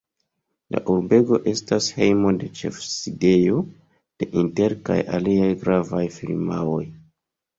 La urbego estas hejmo de ĉefsidejo de Intel kaj aliaj gravaj firmaoj.